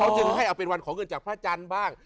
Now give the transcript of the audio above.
เขาจึงให้เอาเป็นวันของเงินจากพระอาจารย์บ้าง